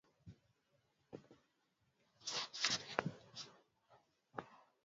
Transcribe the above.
a unapokuwa unakula vyakula vya mafuta yale mafuta yanaingia mwilini matokeo yake badala ya